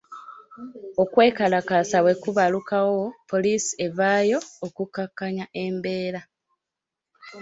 Okwekalakaasa bwe kubalukawo, poliisi evaayo okukkakanya embeera.